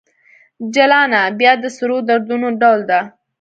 جلانه ! بیا د سرو دردونو ډول ته